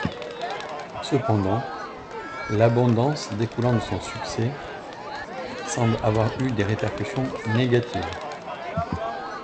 Cependant, l'abondance découlant de son succès semble avoir eu des répercussions négatives.